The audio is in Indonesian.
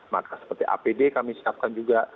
maka seperti apd kami siapkan juga